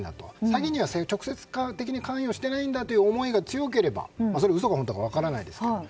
詐欺には直接的に関与してないんだという思いが強ければ、それは嘘か本当か分からないですけどね。